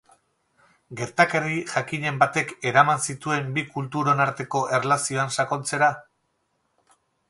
Gertakari jakinen batek eraman zintuen bi kulturon arteko erlazioan sakontzera?